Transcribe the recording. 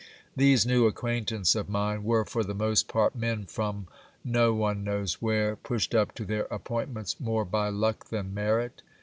These new | acquaintance of mine were for the most part men from no one knows where, I pushed up to their appointments more by luck than merit.